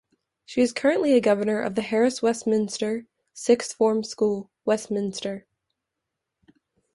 She is currently a governor of the Harris Westminster Sixth Form School, Westminster.